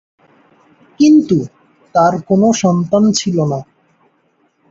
কিন্তু, তার কোন সন্তান ছিল না।